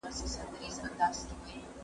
دغه کیسه چا درته کړې ده؟